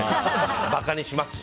馬鹿にしますし。